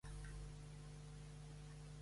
Agraciada a Av.